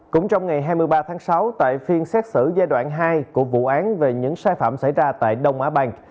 cũng trong ngày hai mươi ba tháng sáu tại phiên xét xử giai đoạn hai của vụ án về những sai phạm xảy ra tại đông á banh